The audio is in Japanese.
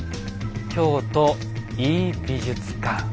「京都井伊美術館」。